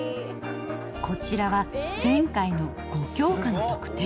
こちらは前回の５教科の得点。